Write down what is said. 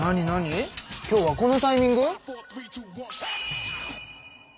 今日はこのタイミング？